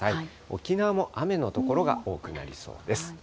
沖縄も雨の所が多くなりそうです。